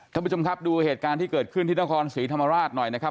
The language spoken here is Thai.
ท่านผู้ชมครับดูเหตุการณ์ที่เกิดขึ้นที่นครศรีธรรมราชหน่อยนะครับ